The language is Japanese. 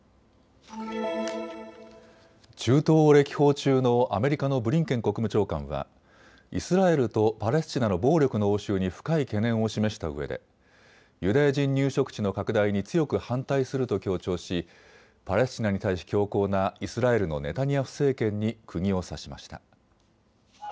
中東を歴訪中のアメリカのブリンケン国務長官はイスラエルとパレスチナの暴力の応酬に深い懸念を示したうえでユダヤ人入植地の拡大に強く反対すると強調しパレスチナに対し強硬なイスラエルのネタニヤフ政権にくぎを刺しました。